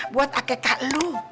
buat akekak lu